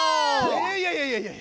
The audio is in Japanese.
いやいやいやいや。